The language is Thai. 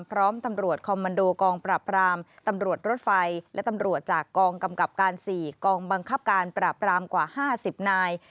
พร้อมตำรวจคอมมันโดกองปราบรามตำรวจรถไฟและตำรวจจากกองกำกับการ๔กองบังคับการปราบรามกว่า๕๐นาย